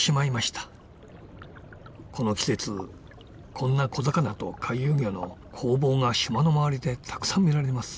この季節こんな小魚と回遊魚の攻防が島の周りでたくさん見られます。